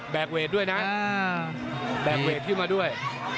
เบจเวทด้วยน่ะเบบเวทที่มาด้วย